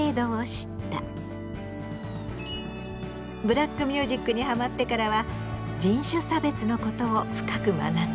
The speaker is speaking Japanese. ブラックミュージックにハマってからは人種差別のことを深く学んだ。